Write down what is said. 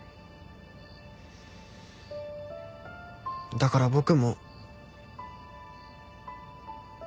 だから僕も。